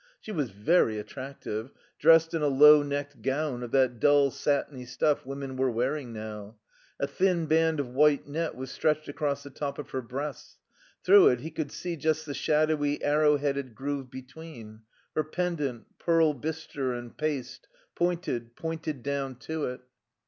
She was very attractive, dressed in a low necked gown of that dull, satiny stuff women were wearing now. A thin band of white net was stretched across the top of her breasts; through it he could see the shadowy, arrow headed groove between; her pendant pearl bistre and paste pointed, pointed down to it.